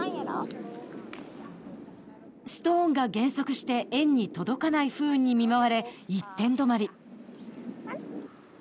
ストーンが減速して円に届かない不運に見舞われ１点止まり。